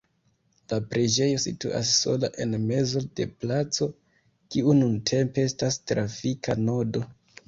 La preĝejo situas sola en mezo de placo, kiu nuntempe estas trafika nodo.